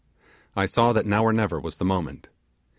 I saw that now or never was the moment.